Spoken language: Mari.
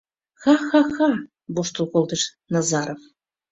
— Ха-ха-ха! — воштыл колтыш Назаров.